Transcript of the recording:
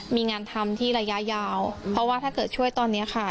มีงานทำที่ระยะยาวเพราะว่าถ้าเกิดช่วยตอนนี้ค่ะ